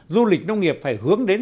du lịch nông nghiệp phải hướng đến